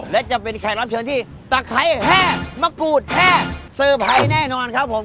และจะเป็นแขกรับเชิญที่ตะไคร้แห้งมะกรูดแห้งเซอร์ไพรส์แน่นอนครับผม